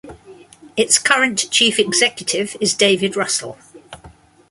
Its current Chief Executive is David Russell.